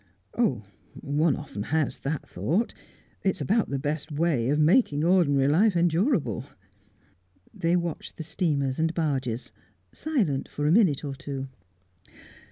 "Oh, one often has that thought. It's about the best way of making ordinary life endurable." They watched the steamers and barges, silent for a minute or two.